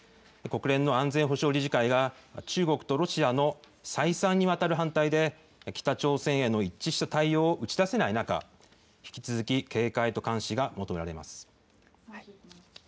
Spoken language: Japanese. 国連の安全保障理事会が、中国とロシアの再三にわたる反対で、北朝鮮への一致した対応を打ち出せない中、引き続き警戒と監視が求められます。